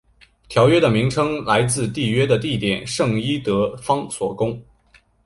条约的名称来自缔约的地点圣伊德方索宫。